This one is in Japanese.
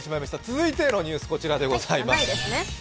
続いてのニュース、こちらです。